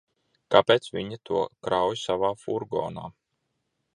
Kāpēc viņa to krauj savā furgonā?